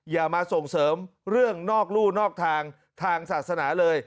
อย่ามาส่งเสริมเรื่องนอกรู่นอกทางทางศาสนาเลย